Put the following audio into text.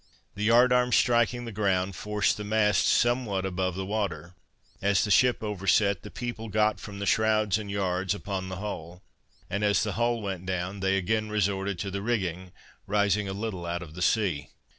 The yard arms striking the ground, forced the masts somewhat above the water; as the ship overset, the people got from the shrouds and yards, upon the hull, and as the hull went down, they again resorted to the rigging, rising a little out of the sea.